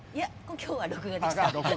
今日は録画でした。